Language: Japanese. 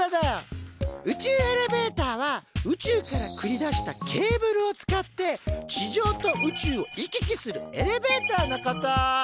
宇宙エレベーターは宇宙からくり出したケーブルを使って地上と宇宙を行き来するエレベーターのこと！